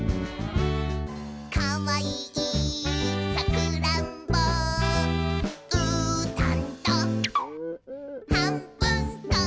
「かわいいさくらんぼ」「うーたんとはんぶんこ！」